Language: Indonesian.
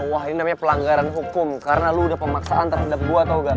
wah ini namanya pelanggaran hukum karena lu udah pemaksaan terhadap gue atau gak